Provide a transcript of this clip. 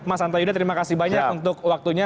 mas antayuda terima kasih banyak untuk waktunya